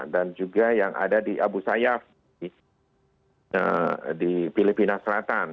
dan juga yang ada di abu sayyaf di filipina selatan